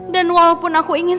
dan walaupun aku ingin